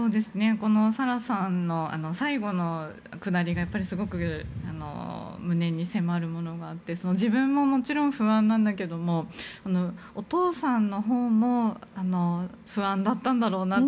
このサラさんの最後の下りがすごく胸に迫るものがあって自分も、もちろん不安なんだけどお父さんのほうも不安だったんだろうなと。